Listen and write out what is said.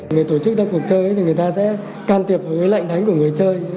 người tổ chức ra cuộc chơi thì người ta sẽ can tiệp với lệnh đánh của người chơi